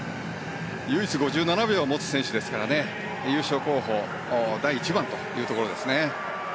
唯一５７秒を持つ選手ですから優勝候補第１番というところですね。